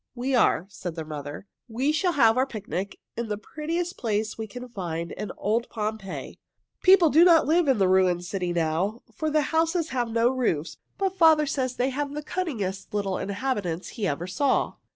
"We are," said their mother. "We shall have our picnic in the prettiest place we can find in old Pompeii. People do not live in the ruined city now, for the houses have no roofs. But father says they have the cunningest little inhabitants he ever saw.